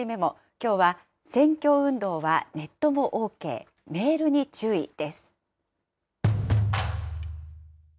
きょうは、選挙運動はネットもＯＫメールに注意です。